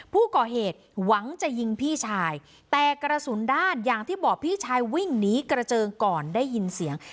ผู้ก่อเหตุหวังจะยิงพี่ชายแต่กระสุนด้านอย่างที่บอกพี่ชายวิ่งหนีกระเจิงก่อนได้ยินเสียง